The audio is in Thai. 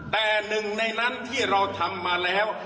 แต่หนึ่งในนั้นที่เราทำมาแล้ว